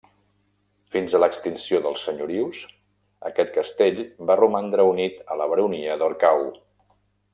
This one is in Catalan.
Fins a l'extinció dels senyorius, aquest castell va romandre unit a la baronia d'Orcau.